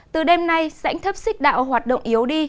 từ đêm nay dãnh thấp xích đạo hoạt động yếu đi